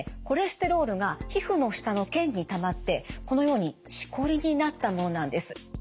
コレステロールが皮膚の下の腱にたまってこのようにしこりになったものなんです。